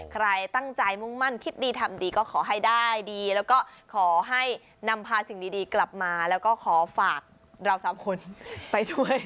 ใครตั้งใจมุ่งมั่นคิดดีทำดีก็ขอให้ได้ดีแล้วก็ขอให้นำพาสิ่งดีกลับมาแล้วก็ขอฝากเราสามคนไปด้วย